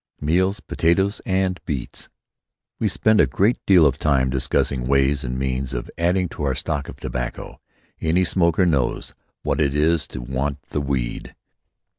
Meals: potatoes and beets." We spent a great deal of time discussing ways and means of adding to our stock of tobacco. Any smoker knows what it is to want the weed.